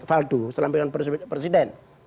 faldu selampikan presiden